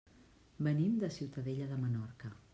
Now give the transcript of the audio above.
Venim de Ciutadella de Menorca.